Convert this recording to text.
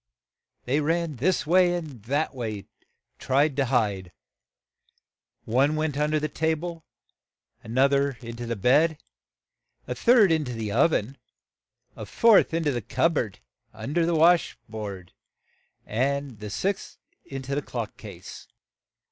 They ran this way and that way to try to hide. One went un der the ta ble, an oth er in to the bed, a third in to the ov en, a fourth in to the cup board, a un der the wash tub the sixth in to the clock case.